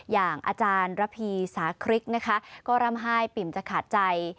อย่างอาจารย์ระพีสาคริกนะคะก็ร่ำไห้ปิ่มจะขาดใจ